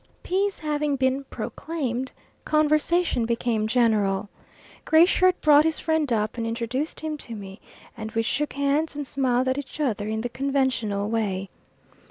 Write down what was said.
Peace having been proclaimed, conversation became general. Gray Shirt brought his friend up and introduced him to me, and we shook hands and smiled at each other in the conventional way.